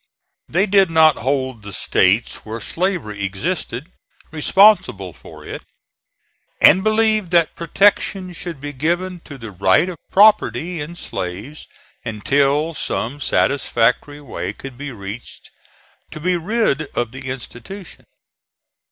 They did not hold the States where slavery existed responsible for it; and believed that protection should be given to the right of property in slaves until some satisfactory way could be reached to be rid of the institution.